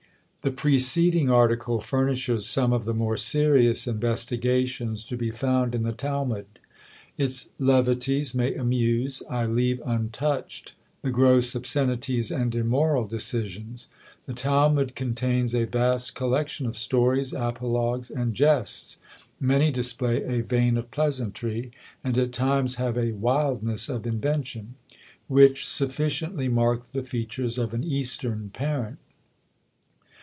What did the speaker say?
The preceding article furnishes some of the more serious investigations to be found in the Talmud. Its levities may amuse. I leave untouched the gross obscenities and immoral decisions. The Talmud contains a vast collection of stories, apologues, and jests; many display a vein of pleasantry, and at times have a wildness of invention, which sufficiently mark the features of an eastern parent.